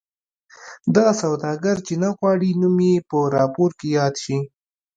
دغه سوداګر چې نه غواړي نوم یې په راپور کې یاد شي.